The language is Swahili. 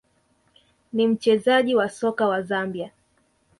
ni mchezaji wa soka wa Zambia